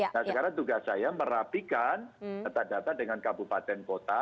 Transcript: nah sekarang tugas saya merapikan data data dengan kabupaten kota